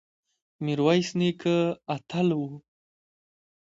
میرویس نیکه اتل و